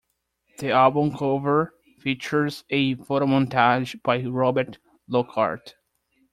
The album cover features a photomontage by Robert Lockart.